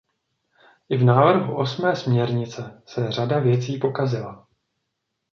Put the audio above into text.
I v návrhu osmé směrnice se řada věcí pokazila.